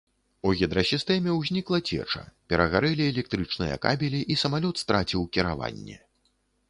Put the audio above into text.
У гідрасістэме ўзнікла цеча, перагарэлі электрычныя кабелі і самалёт страціў кіраванне.